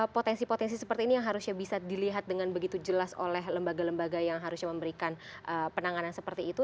potensi potensi seperti ini yang harusnya bisa dilihat dengan begitu jelas oleh lembaga lembaga yang harusnya memberikan penanganan seperti itu